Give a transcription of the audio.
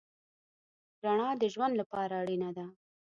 رڼا د ژوند لپاره اړینه ده.